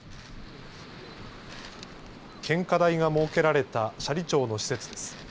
献花台が設けられた斜里町の施設です。